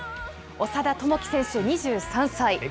長田智希選手２３歳。